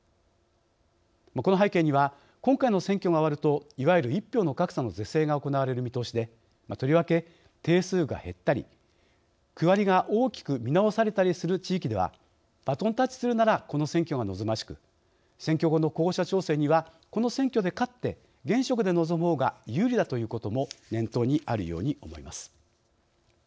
この背景には今回の選挙が終わるといわゆる１票の格差の是正が行われる見通しでとりわけ定数が減ったり区割りが大きく見直されたりする地域ではバトンタッチするならこの選挙が望ましく選挙後の候補者調整にはこの選挙で勝って現職で臨むほうが有利だということも念頭にあるように思います。